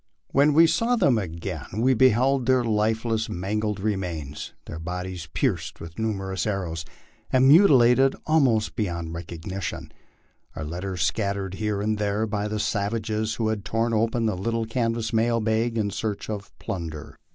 When we saw them again we beheld their lifeless, mangled remains, their bodies pierced with numerous ar rows, and mutilated almost beyond recognition our letters scattered here and there by the savages, who had torn open the little canvas mail bag in search of plunder.